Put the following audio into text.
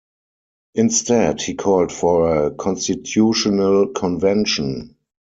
Instead, he called for a constitutional convention.